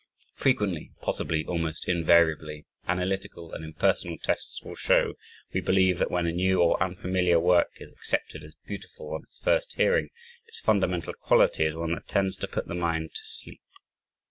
Frequently, possibly almost invariably, analytical and impersonal tests will show, we believe, that when a new or unfamiliar work is accepted as beautiful on its first hearing, its fundamental quality is one that tends to put the mind to sleep.